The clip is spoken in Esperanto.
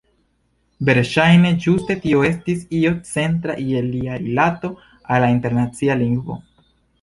Verŝajne ĝuste tio estis io centra je lia rilato al la internacia lingvo.